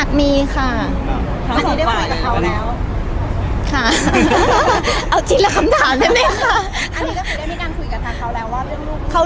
กลัวมันจะเป็นปัญหาไหมครับ